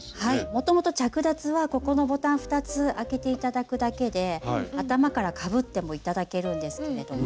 もともと着脱はここのボタン２つ開けて頂くだけで頭からかぶっても頂けるんですけれども。